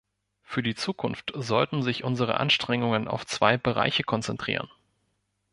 Für die Zukunft sollten sich unsere Anstrengungen auf zwei Bereiche konzentrieren.